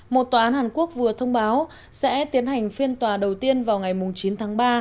một tòa án hàn quốc vừa thông báo sẽ tiến hành phiên tòa đầu tiên vào ngày chín tháng ba